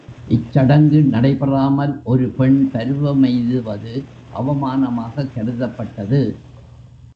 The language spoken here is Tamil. இச்சடங்கு நடைபெறாமல் ஒருபெண் பருவமெய்துவது, அவமானமாகக் கருதப்பட்டது.